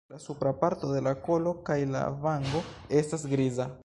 La supra parto de la kolo kaj la vango estas griza.